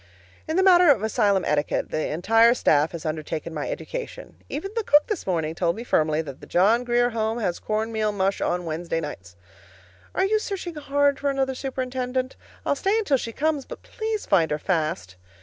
In the matter of asylum etiquette, the entire staff has undertaken my education. Even the cook this morning told me firmly that the John Grier Home has corn meal mush on Wednesday nights. Are you searching hard for another superintendent? I'll stay until she comes, but please find her fast.